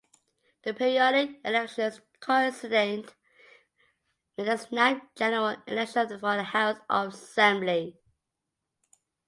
The periodic elections coincided with the snap general election for the House of Assembly.